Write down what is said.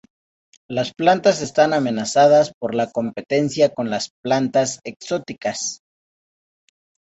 Las plantas están amenazadas por la competencia con las plantas exóticas.